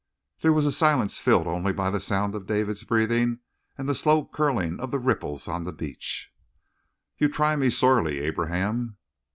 There was a silence filled only by the sound of David's breathing and the slow curling of the ripples on the beach. "You try me sorely, Abraham."